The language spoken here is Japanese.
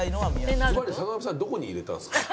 ずばり坂上さんどこに入れたんですか？